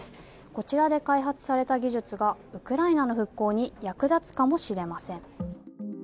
こちらで開発された技術がウクライナの復興に役立つかもしれません。